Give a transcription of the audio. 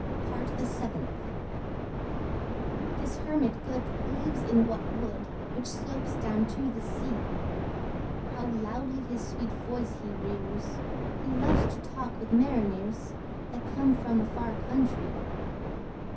PART THE SEVENTH. This Hermit good lives in that wood Which slopes down to the sea. How loudly his sweet voice he rears! He loves to talk with marineres That come from a far countree.